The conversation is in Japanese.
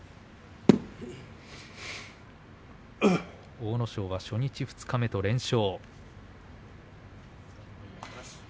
阿武咲は初日二日目と連勝。